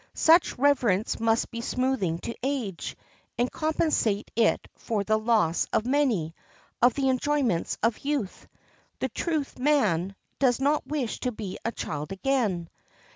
Such reverence must be soothing to age, and compensate it for the loss of many of the enjoyments of youth. "The true man does not wish to be a child again."